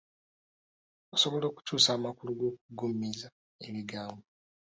Osobola okukyusa amakulu g’okuggumiza ebigambo?